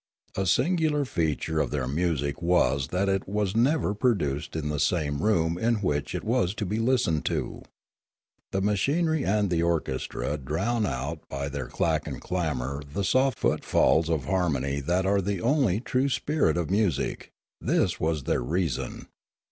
A singular feature of their music was that it was never produced in the same room in which it was to be listened to. The machinery and the orchestra drown by their clack and clamour the soft footfalls of harmony that are the only true spirit of music; this was their reason.